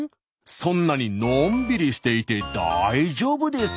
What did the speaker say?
そんなにのんびりしていて大丈夫ですか？